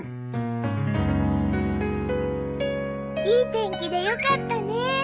いい天気で良かったね。